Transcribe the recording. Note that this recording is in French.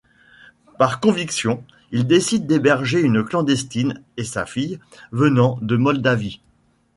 Par conviction, il décide d'héberger une clandestine et sa fille, venant de Moldavie.